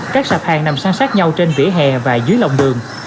các sạp hàng nằm sang sát nhau trên vỉa hè và dưới lòng đường